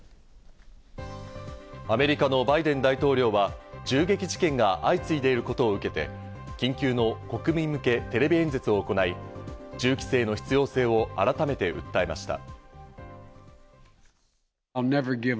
アメリカのバイデン大統領は銃撃事件が相次いでいることを受けて、緊急の国民向けテレビ演説を行い、銃規制の必要性を改めて訴えました。